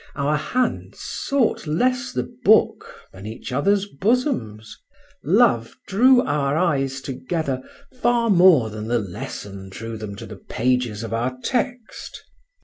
Our hands sought less the book than each other's bosoms; love drew our eyes together far more than the lesson drew them to the pages of our text.